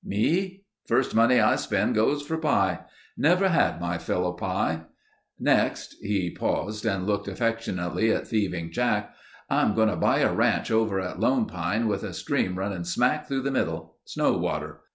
Me? First money I spend goes for pie. Never had my fill of pie. Next—" He paused and looked affectionately at Thieving Jack. "I'm going to buy a ranch over at Lone Pine with a stream running smack through the middle. Snow water.